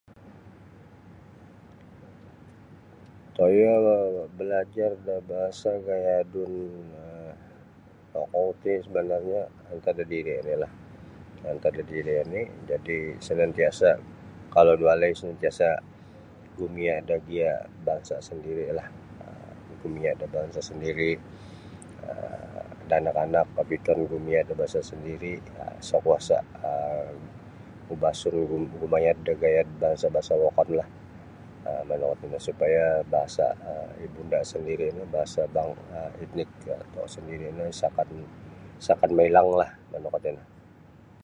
Toyo balajar da bahasa gayadun um tokou ti sabanarnya antad da diri ni' lah antad da diri oni jadi sanantiasa kalau da walai sentiasa gumia da gia bangsa sendirilah da gumia da bahasa sendiri um da anak-anak obiton gumia da bahasa sendiri um isa kuasa um ubason gumayad da gayad bahasa-bahasa wokonlah um manu um supaya bahasa um ibunda sendiri no bahasa bang um etnik sendiri no isa akan isa kan mailanglah. [unintelligible]